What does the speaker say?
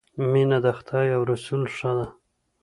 مینه د خدای او رسول ښه ده